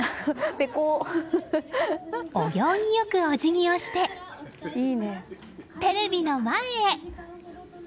お行儀良くおじぎをしてテレビの前へ。